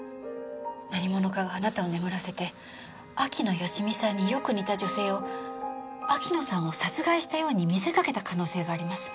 何者かがあなたを眠らせて秋野芳美さんによく似た女性を秋野さんを殺害したように見せかけた可能性があります。